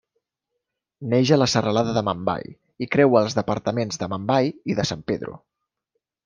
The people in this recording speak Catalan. Neix a la serralada d'Amambay i creua els departaments d'Amambay i de San Pedro.